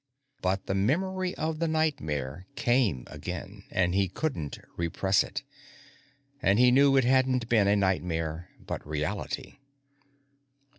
But the memory of the nightmare came again, and he couldn't repress it. And he knew it hadn't been a nightmare, but reality.